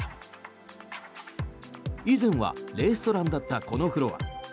以前はレストランだったこのフロア。